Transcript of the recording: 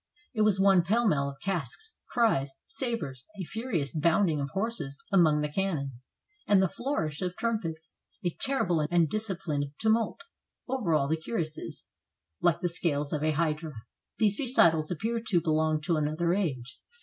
It was one pell mell of casques, cries, sabers, a furious bounding of horses among the cannon, and the flourish of trumpets, a terrible and disciplined tumult; over all the cuirasses, like the scales of a hydra. These recitals appear to belong to another age.